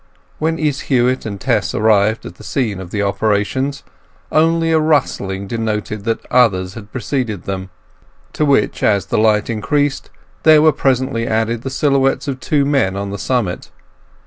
When Izz Huett and Tess arrived at the scene of operations only a rustling denoted that others had preceded them; to which, as the light increased, there were presently added the silhouettes of two men on the summit.